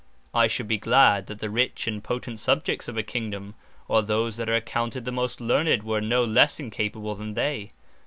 I should be glad, that the Rich, and Potent Subjects of a Kingdome, or those that are accounted the most Learned, were no lesse incapable than they.